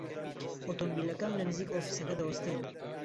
ئۆتۆمۆمبیلەکەم لە نزیک ئۆفیسەکە دەوەستێنم.